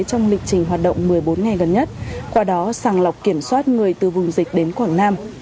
trong lịch trình hoạt động một mươi bốn ngày gần nhất qua đó sàng lọc kiểm soát người từ vùng dịch đến quảng nam